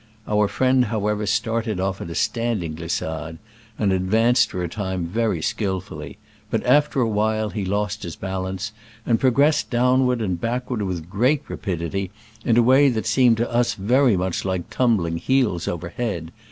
Our friend, however, start ed off at a standing glissade, and ad vanced for a time very skillfully; but after a while he lost his balance, and progressed downward and backward with great rapidity, in a way that seem ed to us very much like tumbling heels over head.